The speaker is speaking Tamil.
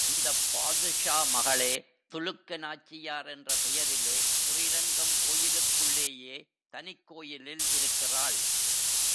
இந்தப் பாதுஷா மகளே துலுக்க நாச்சியார் என்ற பெயரிலே, ஸ்ரீரங்கம் கோயிலுக்குள்ளேயே தனிக் கோயிலில் இருக்கிறாள்.